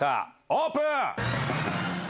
オープン。